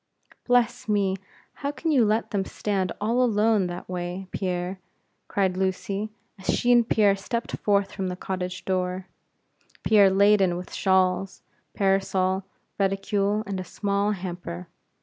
"Bless me, how can you let them stand all alone that way, Pierre," cried Lucy, as she and Pierre stepped forth from the cottage door, Pierre laden with shawls, parasol, reticule, and a small hamper.